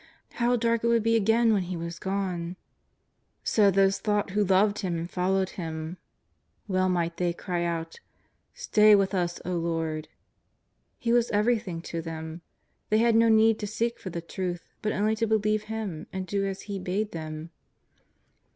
How dark it would be again when He was gone ! So those thought who loved Him and followed Him. Well might they cry out ;" Stay with us, O Lord !" He was everything to them. They had no need to seek for the truth, but only to believe Him and do as He bade them.